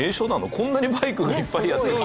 こんなにバイクがいっぱいやって来る。